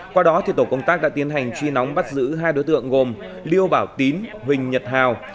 qua đó tổ công tác đã tiến hành truy nóng bắt giữ hai đối tượng gồm liêu bảo tín huỳnh nhật hào